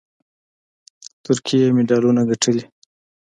ترکیې مډالونه ګټلي